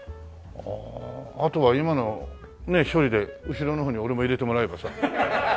あとは今のねっ１人後ろの方に俺も入れてもらえばさ。